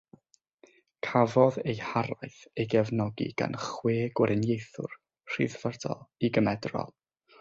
Cafodd ei haraith ei gefnogi gan chwe Gweriniaethwr rhyddfrydol i gymedrol.